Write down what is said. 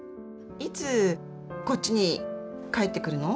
いつこっちに帰ってくるの？